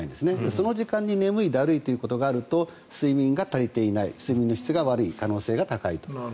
その時間に眠い、だるいということがあると睡眠が足りていない睡眠の質が悪い可能性が高いと。